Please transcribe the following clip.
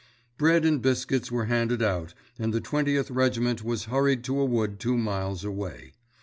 Bread and biscuits were handed out and the Twentieth Regiment was hurried to a wood two miles away.